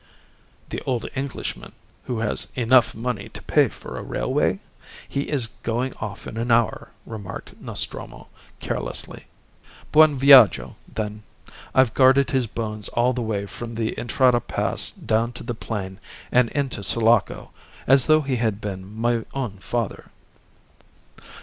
"The old Englishman who has enough money to pay for a railway? He is going off in an hour," remarked Nostromo, carelessly. "Buon viaggio, then. I've guarded his bones all the way from the Entrada pass down to the plain and into Sulaco, as though he had been my own father."